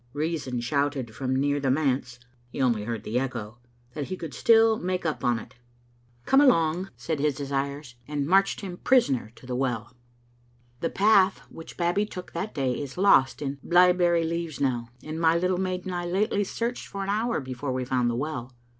Reason shouted from near the manse (he only heard the echo) that he could still make up on it. "Come along,*' zz Digitized by VjOOQ IC 162 tCbc Xittle Afnfdter. said his desires, and inarched him prisoner to the well. The path which Babbie took that day is lost in blae berry leaves now, and my little maid and I lately searched for an hour before we found the well.